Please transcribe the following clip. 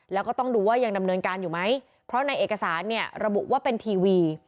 แล้วก็ต้องดูว่ายังดำเนินการอยู่ไหมเพราะในเอกสารเนี่ยระบุว่าเป็นทีวี